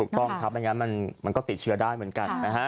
ถูกต้องถ้างั้นมันก็ติดเชื้อได้เหมือนกัน